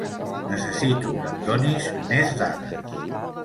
Necessito que em donis mes dades